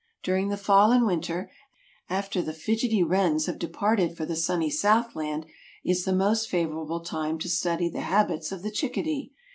During the fall and winter, after the fidgety wrens have departed for the sunny southland, is the most favorable time to study the habits of the chickadee.